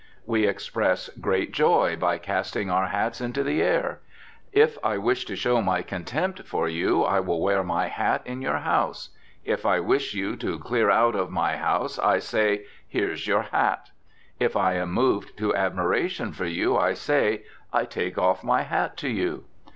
We express great joy by casting our hats into the air. If I wish to show my contempt for you I will wear my hat in your house; if I wish you to clear out of my house I say: "Here's your hat"; if I am moved to admiration for you I say: "I take off my hat to you."